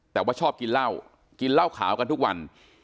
แต่ว่าชอบกินเหล้ากินเหล้าขาวกันทุกวัน